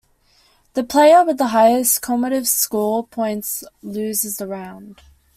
The player with the highest cumulative score points loses the round.